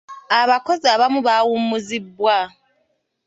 Abakozi abamu baawummuzibwa.